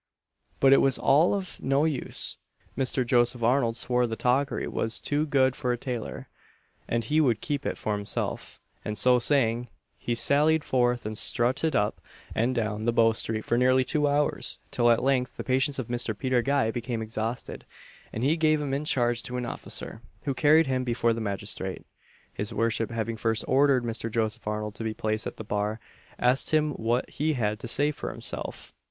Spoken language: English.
But it was all of no use; Mr. Joseph Arnold swore the toggery was too good for a tailor, and he would keep it for himself; and so saying, he sallied forth and strutted up and down Bow street for nearly two hours, till at length the patience of Mr. Peter Guy became exhausted, and he gave him in charge to an officer, who carried him before the magistrate. His worship having first ordered Mr. Joseph Arnold to be placed at the bar, asked him what he had to say for himself?